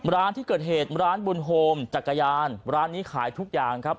ร้านที่เกิดเหตุร้านบุญโฮมจักรยานร้านนี้ขายทุกอย่างครับ